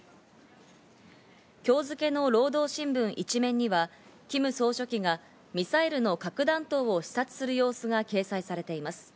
今日付けの労働新聞１面には、キム総書記がミサイルの核弾頭を視察する様子が掲載されています。